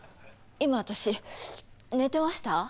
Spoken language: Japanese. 今私寝てました？